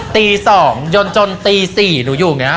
ตี๒จนตี๔หนูอยู่อย่างนี้